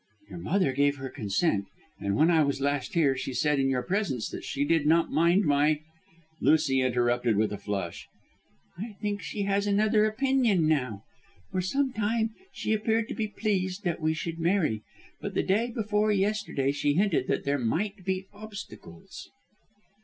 "Your mother gave her consent, and when I was last here she said in your presence that she did not mind my " Lucy interrupted with a flush. "I think she has another opinion now. For some time she appeared to be pleased that we should marry, but the day before yesterday she hinted that there might be obstacles."